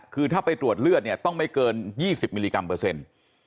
คือถ้าไปตรวจเลือดเนี่ยต้องไม่เกิน๒๐มิลลิกรัมเปอร์เซ็นต์